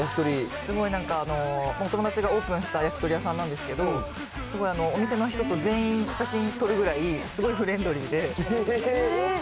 すごいなんか、友達がオープンした焼き鳥屋さんなんですけど、すごいお店の人と全員写真撮るぐらいすごいフレンドリーで。